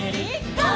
ゴー！」